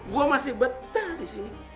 gua masih betah disini